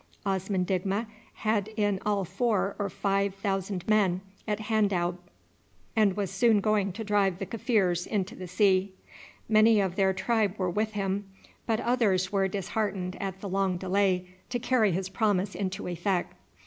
Osman Digma had in all four or five thousand men at Handoub, and was soon going to drive the Kaffirs into the sea. Many of their tribe were with him, but others were disheartened at the long delay to carry his promise into effect.